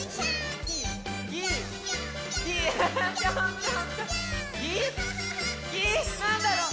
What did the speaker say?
ぎぎなんだろう？